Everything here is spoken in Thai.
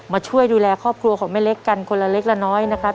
มาช่วยดูแลครอบครัวของแม่เล็กกันคนละเล็กละน้อยนะครับ